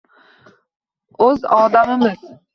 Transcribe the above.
O‘z odamimiz!